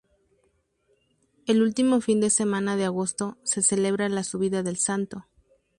El último fin de semana de agosto, se celebra la Subida del Santo.